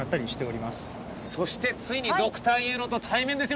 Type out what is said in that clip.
そしてついにドクターイエローと対面ですよ